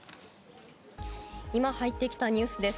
今入ってきたニュースです。